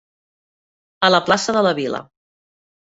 A plaça de la Vila.